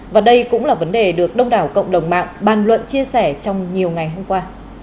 và đây cũng là vấn đề được đông đảo cộng đồng mạng bàn luận chia sẻ trong nhiều ngày hôm qua